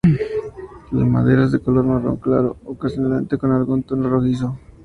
La madera es de color marrón claro, ocasionalmente con algún tono rojizo.